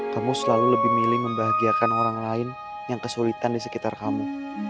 kamu selalu lebih milih membahagiakan orang lain yang kesulitan di sekitar kamu